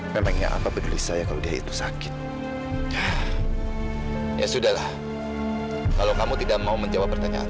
memangnya apa peduli saya kalau dia itu sakit ya sudahlah kalau kamu tidak mau menjawab pertanyaan